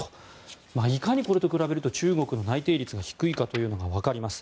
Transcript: いかにこれと比べると中国の内定率が低いかが分かります。